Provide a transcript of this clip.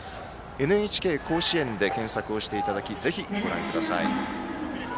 「ＮＨＫ甲子園」で検索をしていただきぜひ、ご覧ください。